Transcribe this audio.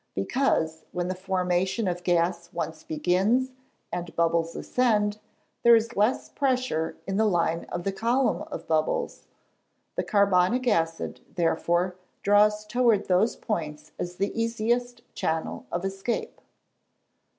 _ Because, when the formation of gas once begins, and bubbles ascend, there is less pressure in the line of the column of bubbles; the carbonic acid, therefore, draws towards those points as the easiest channel of escape.